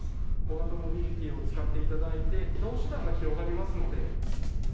小型モビリティーを使っていただいて、移動手段が広がりますので。